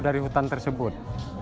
dari hutan tersebut